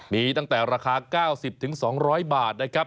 มีตั้งแต่ราคา๙๐๒๐๐บาท